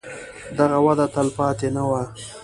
دغه وده تلپاتې نه وي.